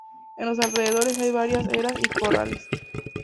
En los alrededores hay varias eras y corrales.